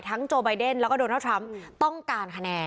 ทั้งโจ้บายเดนแล้วก็โดนัลดรัฟต์ทรัมป์ต้องการคะแนน